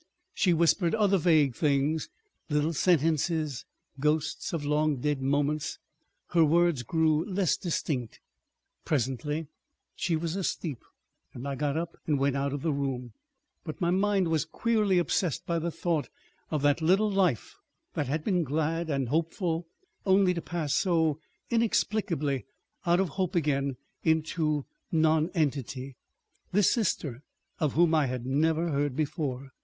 She whispered other vague things, little sentences, ghosts of long dead moments. ... Her words grew less distinct. Presently she was asleep and I got up and went out of the room, but my mind was queerly obsessed by the thought of that little life that had been glad and hopeful only to pass so inexplicably out of hope again into nonentity, this sister of whom I had never heard before.